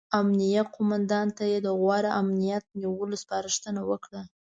امنیه قوماندان ته یې د غوره امنیت نیولو سپارښتنه وکړه.